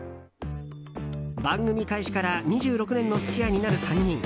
番組開始から２６年の付き合いになる３人。